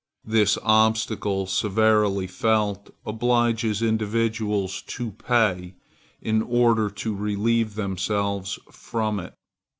This obstacle severely felt, obliges individuals to pay, in order to relieve themselves from it.